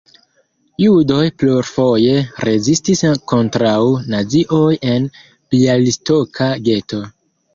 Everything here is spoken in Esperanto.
Judoj plurfoje rezistis kontraŭ nazioj en bjalistoka geto.